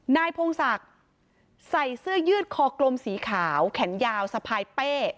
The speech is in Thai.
นายพงศักดิ์ใส่เสื้อยืดคอกลมสีขาวแขนยาวสะพายเป้